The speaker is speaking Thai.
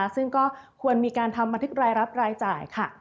ซึ่งก็ควรมีการทำบันทึกรายรับรายจ่ายค่ะ